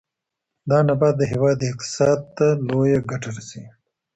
دا نبات د هېواد اقتصاد ته لویه ګټه رسوي.